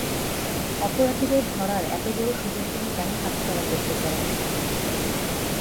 অপরাধীদের ধরার এতবড় সুযোগ তুমি কেন হাতছাড়া করতে চাও?